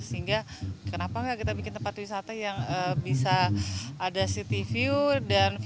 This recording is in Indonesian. sehingga kenapa gak kita bikin tempat wisata yang bisa ada city view dan viewable